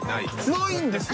ないんですね。